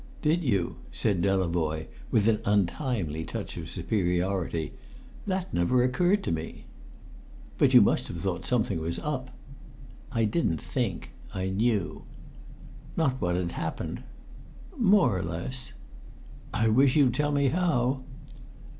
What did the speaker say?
"Did you?" said Delavoye, with an untimely touch of superiority. "That never occurred to me." "But you must have thought something was up?" "I didn't think. I knew." "Not what had happened?" "More or less." "I wish you'd tell me how!"